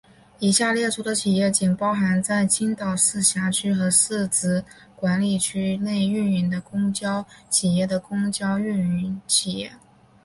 以下列出的企业仅包含在青岛市辖区和市直管理区内运营的公交企业的公交运营企业。